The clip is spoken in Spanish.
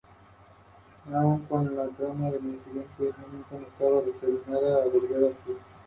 No tienen caracteres para representar su lengua, así que utilizan los de los han.